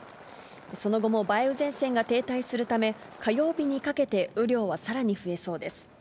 その後も梅雨前線が停滞するため、火曜日にかけて、雨量はさらに増えそうです。